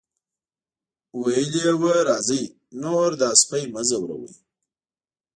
ویلي یې وو راځئ نور دا سپی مه ځوروئ.